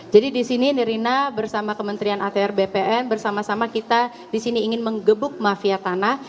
jadi di sini nirina bersama kementerian atr bpn bersama sama kita di sini ingin mengebuk mafia tanah